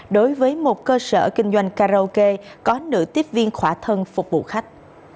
đối với một cơ sở kinh doanh karaoke có nữ tiếp viên khỏa thân phục vụ khách